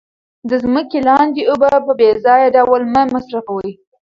د ځمکې لاندې اوبه په بې ځایه ډول مه مصرفوئ.